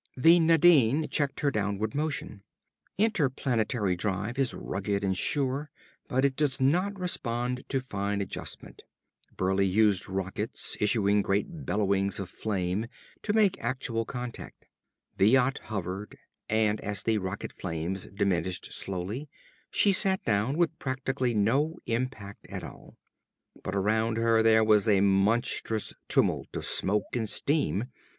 The Nadine checked her downward motion. Interplanetary drive is rugged and sure, but it does not respond to fine adjustment. Burleigh used rockets, issuing great bellowings of flame, to make actual contact. The yacht hovered, and as the rocket flames diminished slowly she sat down with practically no impact at all. But around her there was a monstrous tumult of smoke and steam.